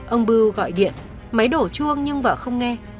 ông bưu gọi điện máy đổ chuông nhưng vợ không nghe